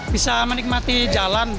bisa menikmati jalan